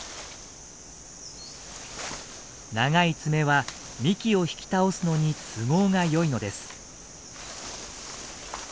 長い爪は幹を引き倒すのに都合がよいのです。